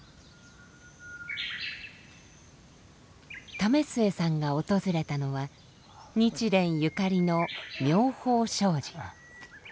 為末さんが訪れたのは日蓮ゆかりの妙法生寺。